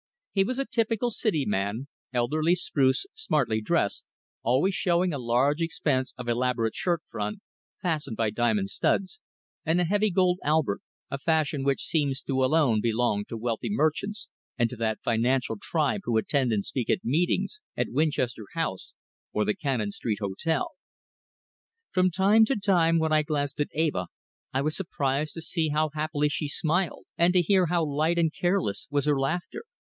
He was a typical City man, elderly, spruce, smartly dressed, always showing a large expanse of elaborate shirt front, fastened by diamond studs, and a heavy gold albert, a fashion which seems to alone belong to wealthy merchants and to that financial tribe who attend and speak at meetings at Winchester House or the Cannon Street Hotel. From time to time when I glanced at Eva I was surprised to see how happily she smiled, and to hear how light and careless was her laughter.